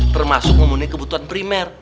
termasuk ngomongin kebutuhan primer